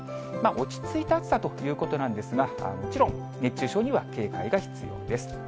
落ち着いた暑さということなんですが、もちろん熱中症には警戒が必要です。